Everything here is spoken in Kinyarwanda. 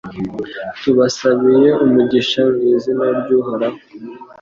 tubasabiye umugisha mu izina ry’Uhoraho